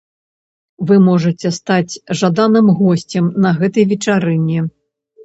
Вы можаце стаць жаданым госцем на гэтай вечарыне.